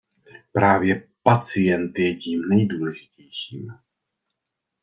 Právě pacient je tím nejdůležitějším.